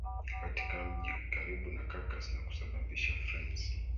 katika mji karibu na Circus na kusababisha frenzy